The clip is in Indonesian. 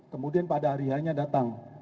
kemudian pada hari hanya datang